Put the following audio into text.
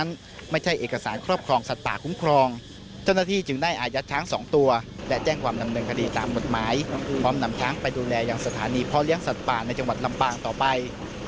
ในจังหวัดลำปากต่อไป